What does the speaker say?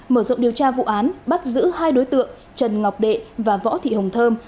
mở rộng điều tra vụ án bắt giữ hai đối tượng trần ngọc đệ và võ thị hồng thơm